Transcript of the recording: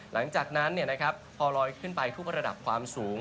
หลังจากนั้นพอลอยขึ้นไปทุกระดับความสูง